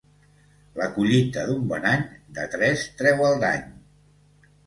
La collita d'un bon any, de tres treu el dany.